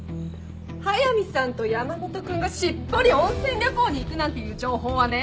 速見さんと山本君がしっぽり温泉旅行に行くなんていう情報はね